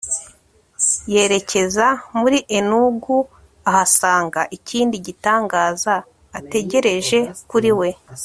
yerekeza muri enugu ahasanga ikindi gitangaza ategereje kuri we